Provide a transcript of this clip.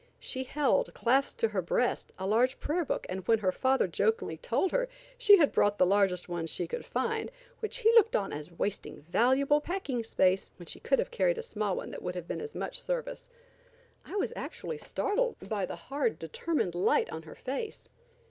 She held, clasped to her breast. a large prayer book, and when her father jokingly told her she had bought the largest one she could find, which he looked on as wasting valuable packing space, when she could have carried a small one that would have been of as much service, I was actually startled by the hard, determined light on her face.